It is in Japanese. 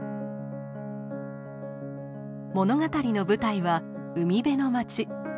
物語の舞台は海辺の街。